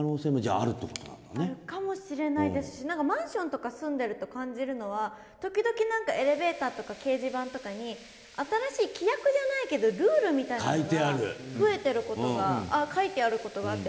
あるかもしれないですしマンションとか住んでいると感じるのは時々エレベーターとか掲示板とかに新しい規約じゃないけどルールみたいなのが書いてあることがあって。